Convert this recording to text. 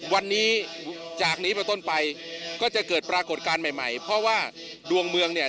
วันนี้จากนี้ไปต้นไปก็จะเกิดปรากฏการณ์ใหม่ใหม่เพราะว่าดวงเมืองเนี่ย